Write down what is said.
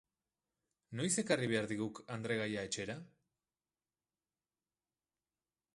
Noiz ekarri behar diguk andregaia etxera?